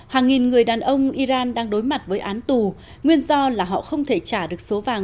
hàng nghìn người đàn ông iran đang đối mặt với án tù nguyên do là họ không thể trả được số vàng